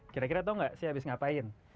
kira kira tau gak sih habis ngapain